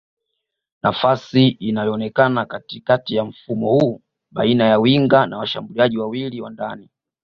Nafasi inayoonekana katikati ya mfumo huu baina ya winga na washambuliaji wawili wa ndani